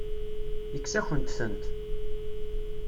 Yekkes-akent-tent.